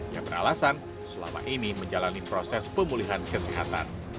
yang beralasan selama ini menjalani proses pemulihan kesehatan